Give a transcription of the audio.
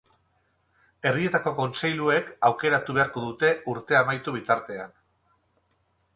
Herrietako kontseiluek aukeratu beharko dute urtea amaitu bitartean.